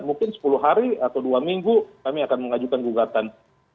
mungkin sepuluh hari atau dua minggu kami akan mengajukan gugatan